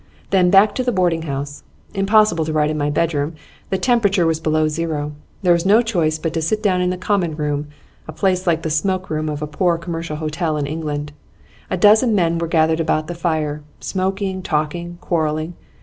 Then back to the boarding house. Impossible to write in my bedroom, the temperature was below zero; there was no choice but to sit down in the common room, a place like the smoke room of a poor commercial hotel in England. A dozen men were gathered about the fire, smoking, talking, quarrelling.